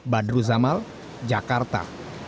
badru zamal jakarta